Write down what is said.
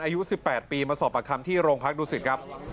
อายุ๑๘ปีมาสอบประคำที่โรงพักดูสิตครับ